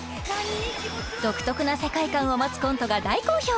独特な世界観を持つコントが大好評！